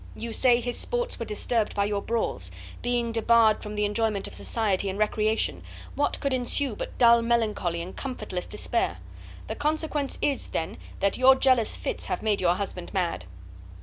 You say his sports were disturbed by your brawls; being debarred from the enjoyment of society and recreation, what could ensue but dull melancholy and comfortless despair? The consequence is, then, that your jealous fits have made your husband mad."